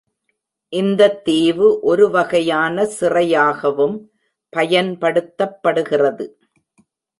இந்தத் தீவு ஒருவகையான சிறையாகவும் பயன்படுத்தப்படுகிறது.